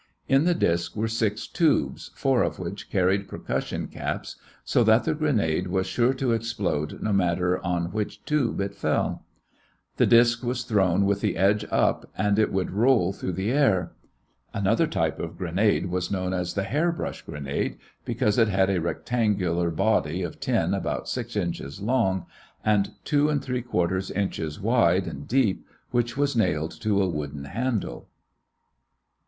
In the disk were six tubes, four of which carried percussion caps so that the grenade was sure to explode no matter on which tube it fell. The disk was thrown with the edge up, and it would roll through the air. Another type of grenade was known as the hair brush grenade because it had a rectangular body of tin about six inches long and two and three quarter inches wide and deep, which was nailed to a wooden handle.